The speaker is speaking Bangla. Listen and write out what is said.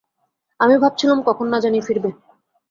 আমি ভাবছিলুম, কখন না জানি ফিরবে।